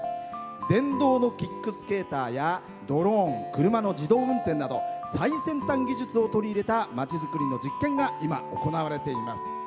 電動のキックスケーターやドローン、車の自動運転など最先端技術を取り入れたまちづくりの実験が今、行われています。